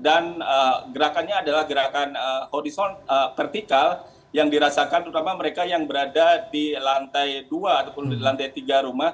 dan gerakannya adalah gerakan horizon vertikal yang dirasakan terutama mereka yang berada di lantai dua atau lantai tiga rumah